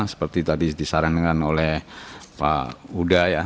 seperti tadi disarankan oleh pak huda ya